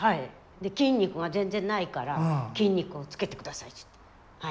で筋肉が全然ないから「筋肉をつけて下さい」っつってはい。